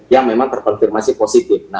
yang memang terkonfirmasi positif